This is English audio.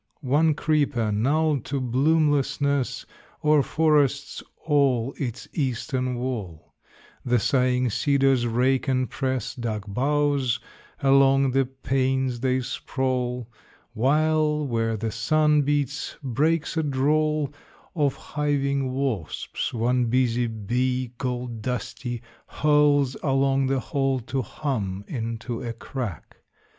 2. One creeper, gnarled to bloomlessness, O'er forests all its eastern wall; The sighing cedars rake and press Dark boughs along the panes they sprawl; While, where the sun beats, breaks a drawl Of hiving wasps; one bushy bee, Gold dusty, hurls along the hall To hum into a crack.